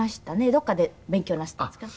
どこかで勉強なすったんですか？